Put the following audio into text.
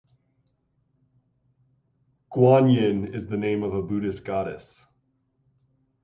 Guanyin is the name of a Buddhist goddess.